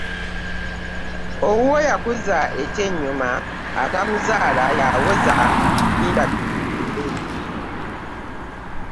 Owuwo y’akuzza ekyennyuma, atamuzaala y’awoza linda bukule.